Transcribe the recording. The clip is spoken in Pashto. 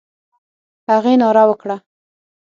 هغې ناره وکړه: